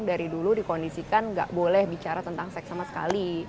dari dulu dikondisikan nggak boleh bicara tentang seks sama sekali